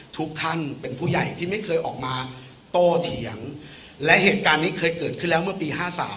ทุกท่านเป็นผู้ใหญ่ที่ไม่เคยออกมาโตเถียงและเหตุการณ์นี้เคยเกิดขึ้นแล้วเมื่อปี๕๓